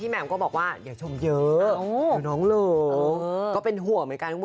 มาต่อกันที่หนึ่งครอบครัวนะคะ